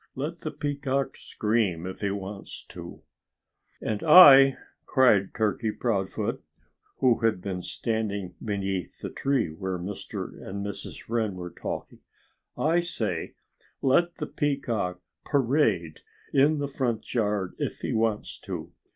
Let the Peacock scream if he wants to!" "And I " cried Turkey Proudfoot, who had been standing beneath the tree where Mr. and Mrs. Wren were talking "I say, let the Peacock parade in the front yard if he wants to.